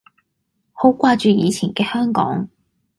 好掛住以前嘅香港